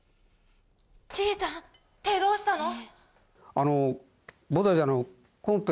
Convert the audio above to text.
ちーたん手どうしたの？